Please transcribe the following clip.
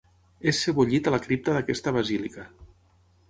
És sebollit a la cripta d'aquesta basílica.